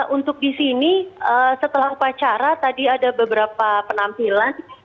untuk di sini setelah upacara tadi ada beberapa penampilan